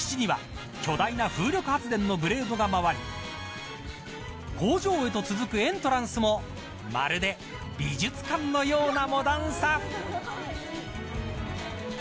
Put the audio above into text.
敷地には、巨大な風力発電のブレードがまわり工場へと続くエントランスもまるで美術館のようなモダンさ。